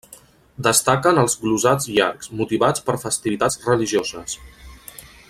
Destaquen els glosats llargs, motivats per festivitats religioses.